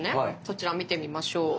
そちらを見てみましょう。